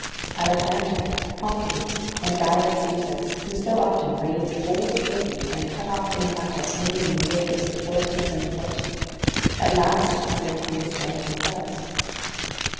Alexander, Pompey, and Gaius Caesar, who so often razed whole cities, and cut off in battle so many myriads of horse and foot, at last departed from this life themselves.